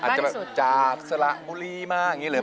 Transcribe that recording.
อาจจะแบบจากสระบุรีมาอย่างนี้เลย